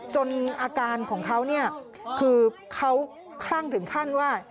จนอาการของเขาคือเขาคลั่งถึงขั้นว่า